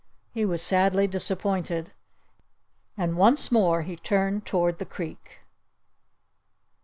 He was sadly disappointed. And once more he turned toward the creek.